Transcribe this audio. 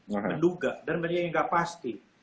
menduga dan banyak yang nggak pasti